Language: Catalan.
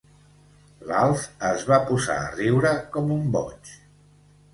L'Alf es va posar a riure com un boig.